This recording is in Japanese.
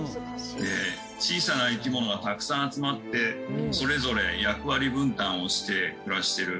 小さな生き物がたくさん集まってそれぞれ役割分担して暮らしてる。